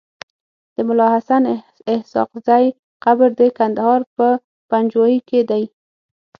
د ملاحسناسحاقزی قبر دکندهار په پنجوايي کیدی